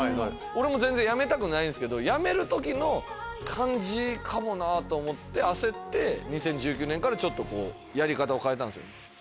俺も全然辞めたくないんすけど辞める時の感じかもって思って焦って２０１９年からやり方を変えたんですよ。